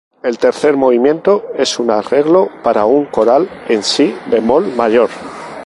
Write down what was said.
El tercer movimiento es un arreglo para un coral en si bemol mayor.